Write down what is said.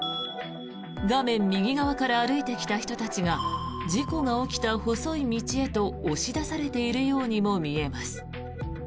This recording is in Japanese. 画面右側から歩いてきた人たちが事故が起きた細い道へと押し出されているようにも見えます。